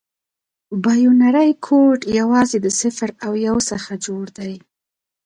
بایونري کوډ یوازې د صفر او یو څخه جوړ دی.